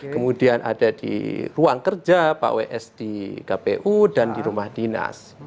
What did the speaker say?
kemudian ada di ruang kerja pak ws di kpu dan di rumah dinas